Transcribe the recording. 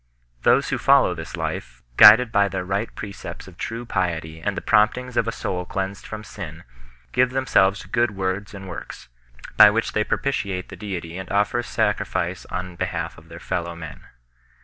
Those who follow this life, guided by the right pre cepts of true piety and the promptings of a soul cleansed from sin, give themselves to good wftrds and works, by which they propitiate the Deity and offer sacrifice on behalf of their fellow men.